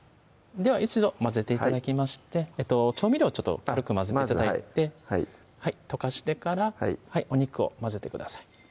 では一度混ぜて頂きまして調味料ちょっと軽く混ぜて頂いて溶かしてからお肉を混ぜてください